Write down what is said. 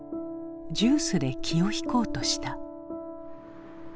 ジュースで気を引こうとした。